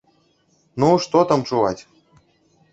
Ну, што там чуваць?